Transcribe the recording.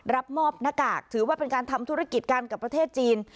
รับมอบหน้ากากถือว่าเป็นการทำธุรกิจกันกับประเทศจีน